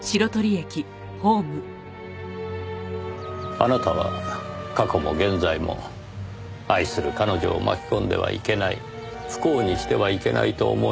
あなたは過去も現在も愛する彼女を巻き込んではいけない不幸にしてはいけないと思い